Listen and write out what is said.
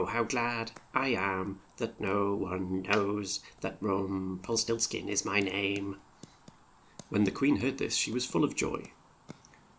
how glad I am that no one knows That Rum pel stilts kin is my name." When the queen heard this she was full of joy.